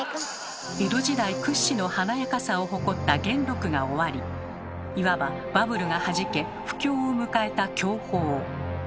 江戸時代屈指の華やかさを誇った元禄が終わりいわばバブルがはじけ不況を迎えた享保。